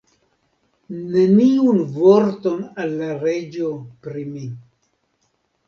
Neniun vorton al la reĝo pri mi.